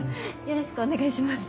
よろしくお願いします。